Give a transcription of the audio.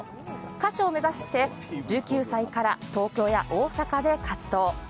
歌手を目指して１９歳から東京や大阪で活動。